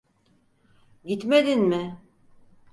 Gitmedin mi?